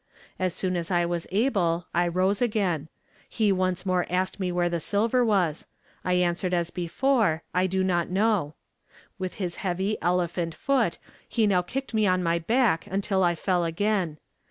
As soon as I was able, I rose again. He once more asked me where the silver was. I answered as before, 'I do not know.' With his heavy, elephant foot he now kicked me on my back until I fell again.